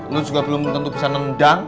lu juga belum tentu bisa nendang